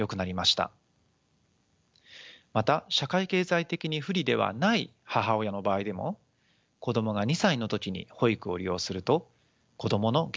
また社会経済的に不利ではない母親の場合でも子どもが２歳の時に保育を利用すると子どもの言語発達がよくなりました。